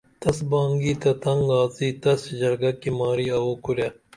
تس بانگی تہ تنگ آڅی تس ژرگہ کی ماری اوو کُرے